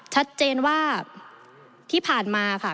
ชัดเจนว่าที่ผ่านมาค่ะ